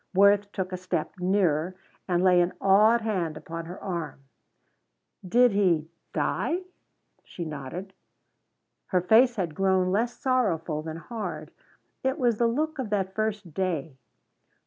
Worth took a step nearer and lay an awed hand upon her arm. "Did he die?" She nodded. Her face had grown less sorrowful than hard. It was the look of that first day.